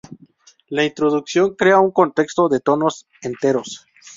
La introducción crea un contexto de tonos enteros.